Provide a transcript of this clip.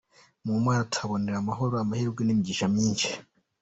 Mu mana tuhabonera amahoro, amahirwe n’imigisha myinshi.